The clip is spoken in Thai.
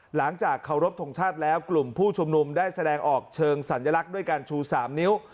หลังจากเคารพทงชาติแล้วกลุ่มผู้ชุมนุมได้แสดงออกเชิงสัญลักษณ์ด้วยการชู๓นิ้ว